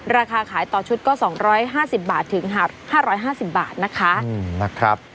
ราคาขายต่อชุดก็๒๕๐บาทถึง๕๕๐บาทนะคะ